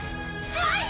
「はい！」